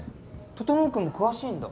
整君詳しいんだ？